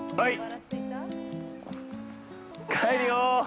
帰るよ！